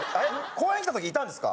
公園来たときいたんですか？